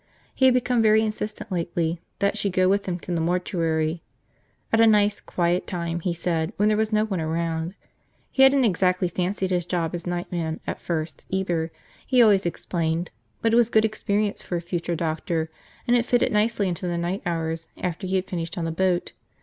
He had become very insistent lately that she go with him to the mortuary. At a nice, quiet time, he said, when there was no one around. He hadn't exactly fancied his job as night man at first, either, he always explained; but it was good experience for a future doctor, and it fitted nicely into the night hours after he had finished on the boat.